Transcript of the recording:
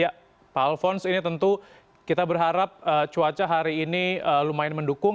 ya pak alphonse ini tentu kita berharap cuaca hari ini lumayan mendukung